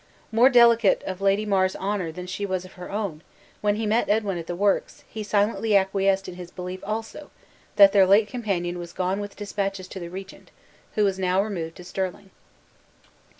More delicate of Lady Mar's honor than she was of her own, when he met Edwin at the works, he silently acquiesced in his belief also, that their late companion was gone with dispatches to the regent, who was now removed to Stirling.